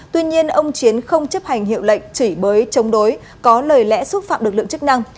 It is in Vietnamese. tuy nhiên ông chiến không chấp hành hiệu lệnh chửi bới chống đối có lời lẽ xúc phạm lực lượng chức năng